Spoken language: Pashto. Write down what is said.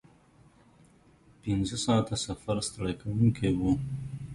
پنځه ساعته سفر ستړی کوونکی و.